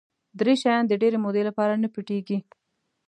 درې شیان د ډېرې مودې لپاره نه پټ کېږي.